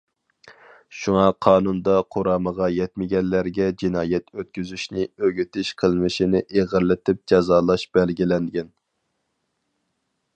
شۇڭا قانۇندا قۇرامىغا يەتمىگەنلەرگە جىنايەت ئۆتكۈزۈشنى ئۆگىتىش قىلمىشىنى ئېغىرلىتىپ جازالاش بەلگىلەنگەن.